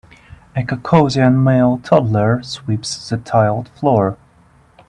A caucasian male toddler sweeps the tiled floor.